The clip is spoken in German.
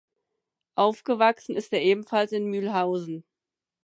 Aufgewachsen ist er ebenfalls in Mülhausen.